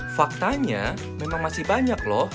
faktanya memang masih banyak loh